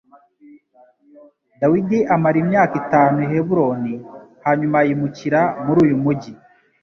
Dawidi amara imyaka itanu i Heburoni, hanyuma yimukira muri uyu mujyi